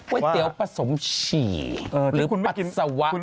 ก๋วยเตี๋ยวผสมฉี่หรือปัสสาวะ